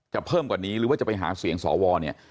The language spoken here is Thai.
เพิ่มกว่านี้หรือว่าจะไปหาเสียงสวเนี่ย